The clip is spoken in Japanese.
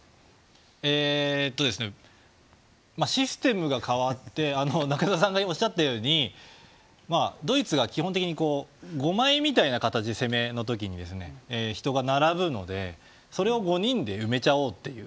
システムが変わって中澤さんがおっしゃるようにドイツが基本的に５枚みたいな形で攻めの時に人が並ぶのでそれを５人で埋めちゃおうという。